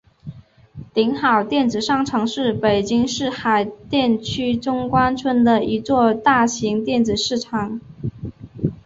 鼎好电子商城是北京市海淀区中关村的一座大型电子市场。